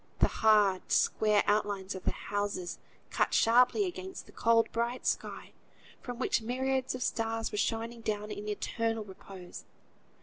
The hard, square outlines of the houses cut sharply against the cold bright sky, from which myriads of stars were shining down in eternal repose.